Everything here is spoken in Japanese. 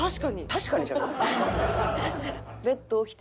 「確かに」じゃない。